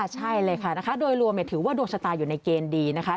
ใช่เลยค่ะนะคะโดยรวมถือว่าดวงชะตาอยู่ในเกณฑ์ดีนะคะ